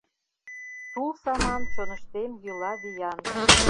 Тул саман Чоныштем йӱла виян.